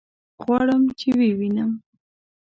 غواړم چې ويې وينم.